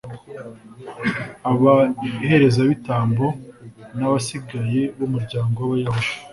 abaherezabitambo n'abasigaye b'umuryango w'abayahudi